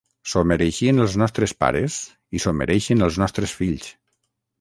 S'ho mereixien els nostres pares i s'ho mereixen els nostres fills.